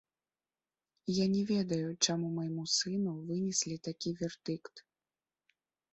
Я не ведаю, чаму майму сыну вынеслі такі вердыкт.